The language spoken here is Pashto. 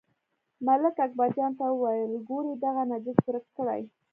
ملک اکبرجان ته وویل، ګورئ دغه نجس ورک کړئ.